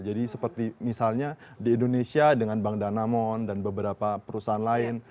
jadi seperti misalnya di indonesia dengan bank danamon dan beberapa perusahaan